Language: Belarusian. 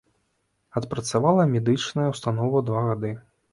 Адпрацавала медычная ўстанова два гады.